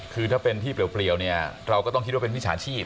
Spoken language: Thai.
คือถ้าเป็นที่เปรียวเนี่ยเราก็ต้องคิดว่าเป็นวิชาชีพ